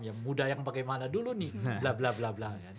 yang muda yang bagaimana dulu nih